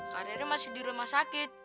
kak rere masih di rumah sakit